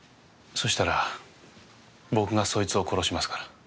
そしたら僕がそいつを殺しますから。